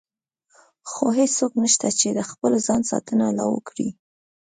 خو هېڅوک نشته چې د خپل ځان ساتنه لا وکړي.